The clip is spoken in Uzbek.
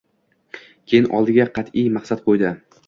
Keyin oldiga qat`iy maqsad qo`ydi